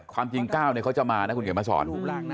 ความจริง๙เขาจะมานะคุณเขียนมาสอน